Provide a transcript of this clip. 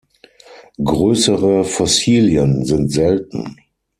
Größere Fossilien sind selten.